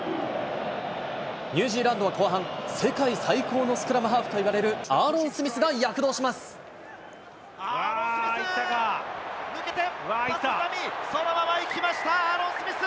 ニュージーランドは後半、世界最高のスクラムハーフといわれるアーロン・スミスが躍動しまアーロン・スミス。